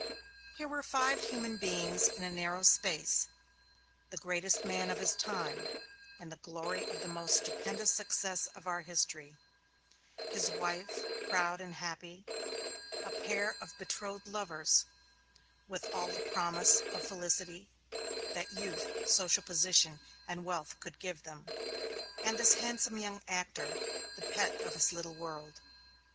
Here were five human beings in a narrow space the greatest man of his time, in the glory of the most stupendous success of our history; his wife, proud and happy; a pair of betrothed lovers, with all the promise of felicity that youth, social position, and wealth could give them; and this handsome young actor, the pet of his little world.